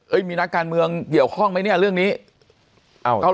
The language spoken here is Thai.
มีนักการเมืองเกี่ยวข้องไหมเนี่ยเรื่องนี้